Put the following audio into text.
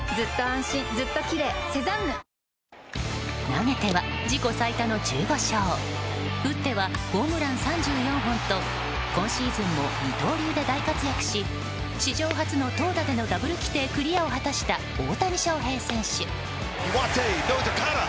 投げては自己最多の１５勝打ってはホームラン３４本と今シーズンも二刀流で大活躍し史上初の投打でのダブル規定クリアを果たした大谷翔平選手。